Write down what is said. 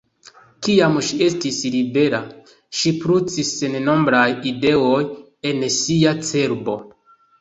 Kiam ŝi estis libera, ŝprucis sennombraj ideoj en ŝia cerbo.